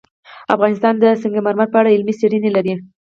افغانستان د سنگ مرمر په اړه علمي څېړنې لري.